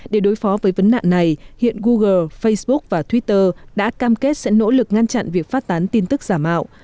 để đối phó với vấn nạn này hiện google facebook và twitter đã cam kết sẽ nỗ lực ngăn chặn việc phát tán tin tức giả mạo